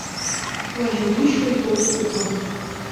Уажьагәышьоитоуп угәы.